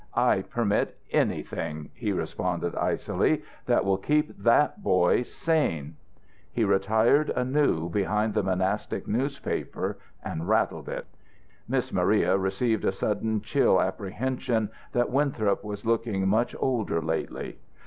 "I permit anything," he responded, icily, "that will keep that boy ... sane." He retired anew behind the monastic newspaper and rattled it. Miss Maria received a sudden chill apprehension that Winthrop was looking much older lately.